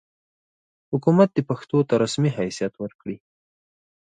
حکومت دې پښتو ته رسمي حیثیت ورکړي.